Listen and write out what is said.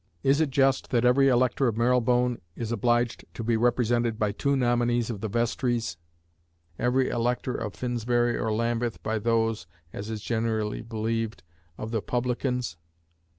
Is it just that every elector of Marylebone is obliged to be represented by two nominees of the vestries, every elector of Finsbury or Lambeth by those (as is generally believed) of the publicans?